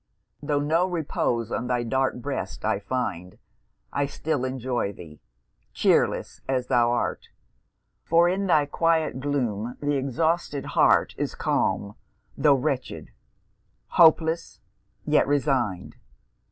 Tho' no repose on thy dark breast I find, I still enjoy thee chearless as thou art; For in thy quiet gloom, the exhausted heart, Is calm, tho' wretched; hopeless, yet resign'd.